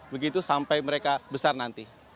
begitu sampai mereka besar nanti